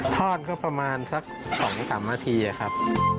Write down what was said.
ทอดก็ประมาณสัก๒๓นาทีครับ